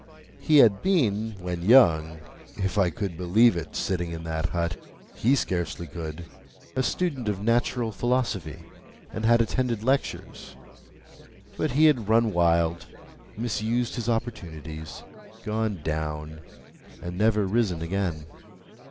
He had been, when young (if I could believe it, sitting in that hut,—he scarcely could), a student of natural philosophy, and had attended lectures; but he had run wild, misused his opportunities, gone down, and never risen again.